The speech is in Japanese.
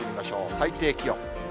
最低気温。